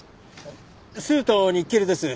スズとニッケルです。